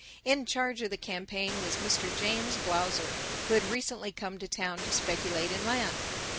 In charge of the campaign was Mr. James Blausser, who had recently come to town to speculate in land.